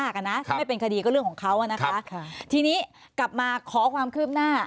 ถ้าไม่เป็นคดีก็เรื่องของเขานะคะทีนี้กลับมาขอความคืบหน้า